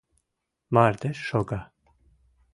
Мардеж шога.